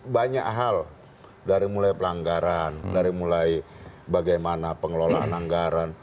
banyak hal dari mulai pelanggaran dari mulai bagaimana pengelolaan anggaran